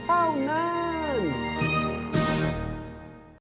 เต้านาน